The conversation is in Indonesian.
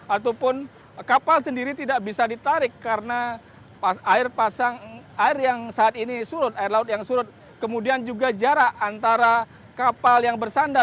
ataupun kapal sendiri tidak bisa ditarik karena air yang saat ini surut air laut yang surut kemudian juga jarak antara kapal yang bersandar